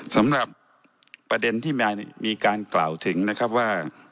สำหรับประเด็นที่มีการกล่าวถึงนะครับว่า